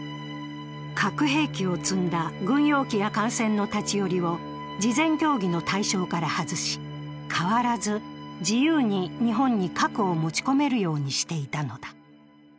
核兵器を積んだ軍用機や艦船の立ち寄りを事前協議の対象から外し、変わらず自由に日本に核を持ち込めるようにしていたのだ。